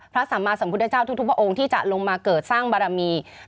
สัมมาสัมพุทธเจ้าทุกพระองค์ที่จะลงมาเกิดสร้างบารมี